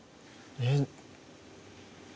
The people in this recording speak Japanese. えっ。